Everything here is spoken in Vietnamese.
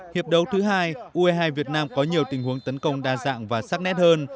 hiệp đấu thứ hai ue hai việt nam có nhiều tình huống tấn công đa dạng và sắc nét hơn